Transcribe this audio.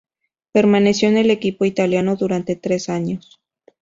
Permaneció en el equipo italiano durante tres años.